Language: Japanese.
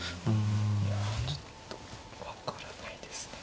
いやちょっと分からないですね。